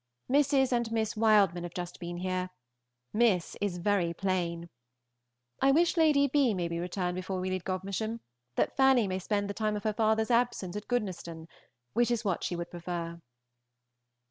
Mrs. and Miss Wildman have just been here. Miss is very plain. I wish Lady B. may be returned before we leave Gm., that Fanny may spend the time of her father's absence at Goodnestone, which is what she would prefer.